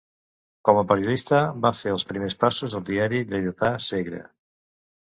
Com a periodista va fer els primers passos al diari lleidatà Segre.